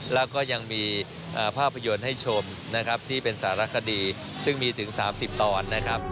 แล้วก็ยังมีภาพประโยชน์ให้ชมที่เป็นสารคดีซึ่งมีถึง๓๐ตอน